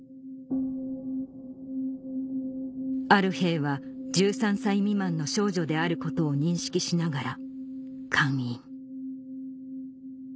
「ある兵は１３歳未満の少女であることを認識しながら姦淫」